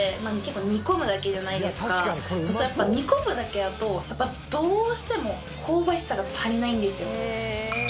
煮込むだけだとやっぱどうしても香ばしさが足りないんですよ。